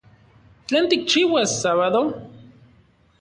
¿Tlen tikchiuas sábado?